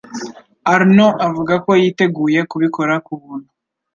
Arnaud avuga ko yiteguye kubikora ku buntu.